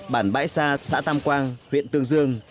bản bãi sa xã tam quang huyện tương dương